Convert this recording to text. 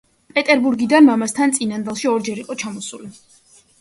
პეტერბურგიდან მამასთან წინანდალში ორჯერ იყო ჩამოსული.